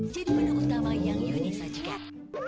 jadi menu utama yang yuni sajikan